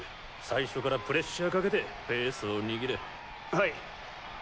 最初からプレッシャーかけてペースを握れ。はいっ。